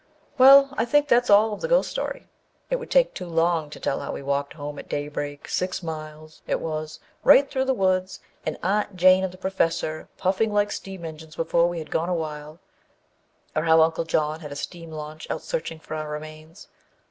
Well, I think that's all of the ghost story. It would take too long to tell how we walked home at daybreak â six miles, it was, right through the woods, and Aunt Jane and the Professor puffing like steam engines before we had gone a mile â or how Uncle John had a steam launch out searching for our remains.